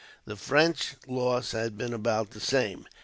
The French loss had been about the same.